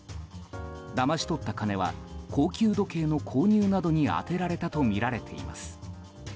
だまし取った金は高級時計の購入などに充てられたとみられています。